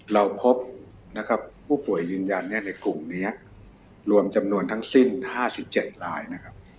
เราพบนะครับผู้ป่วยยืนยันเนี่ยในกลุ่มเนี้ยรวมจำนวนทั้งสิ้นห้าสิบเจ็ดรายนะครับ